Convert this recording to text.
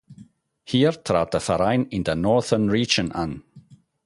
Hier trat der Verein in der Northern Region an.